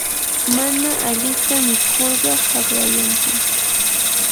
mana alita mikurqa haqrayankim.